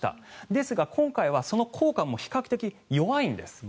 ですが、今回はその効果も比較的弱いんです。